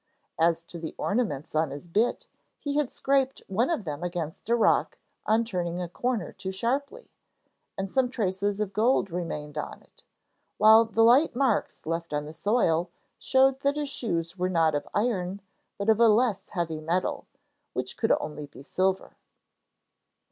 As to the ornaments on his bit, he had scraped one of them against a rock on turning a corner too sharply, and some traces of gold remained on it, while the light marks left on the soil showed that his shoes were not of iron but of a less heavy metal, which could only be silver.'